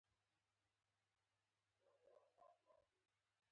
رومیان له خدایه شکر غواړي